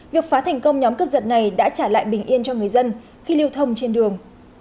việc phá thành công nhóm cướp giật này đã trả lại bình yên cho người dân khi lưu thông trên đường